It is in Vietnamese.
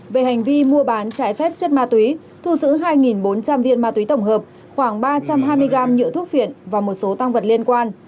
về hành vi mua bán trái phép chất ma túy thu giữ hai bốn trăm linh viên ma túy tổng hợp khoảng ba trăm hai mươi gam nhựa thuốc phiện và một số tăng vật liên quan